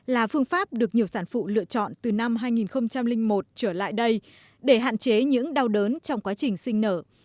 là phương pháp được nhiều sản phụ lựa chọn từ năm hai nghìn một trở lại đây để hạn chế những đau đớn trong quá trình sinh nở